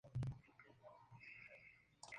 La serie fue narrada por Whoopi Goldberg.